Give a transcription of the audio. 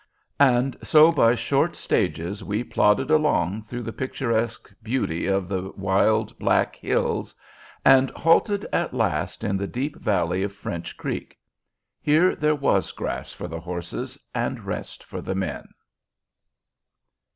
And so by short stages we plodded along through the picturesque beauty of the wild Black Hills, and halted at last in the deep valley of French Creek. Here there was grass for the horses and rest for the men.